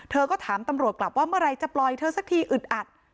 เธอก็ถามตำรวจกลับว่าเมื่อไหร่จะปล่อยเธอสักทีอึดอัด